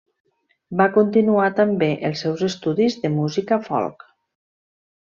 Va continuar també els seus estudis de música folk.